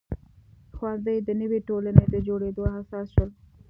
ښوونځي د نوې ټولنې د جوړېدو اساس شول.